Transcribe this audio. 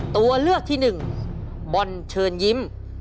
ตัวเลือกที่๑บอลเชิญยิ้ม